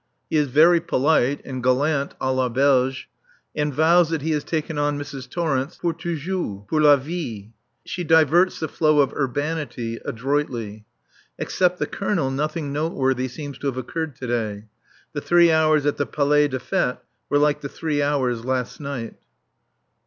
He is very polite and gallant à la belge and vows that he has taken on Mrs. Torrence pour toujours, pour la vie! She diverts the flow of urbanity adroitly. Except the Colonel nothing noteworthy seems to have occurred to day. The three hours at the Palais des Fêtes were like the three hours last night.